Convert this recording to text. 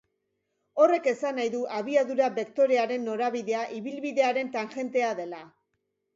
Horrek esan nahi du abiadura bektorearen norabidea ibilbidearen tangentea dela.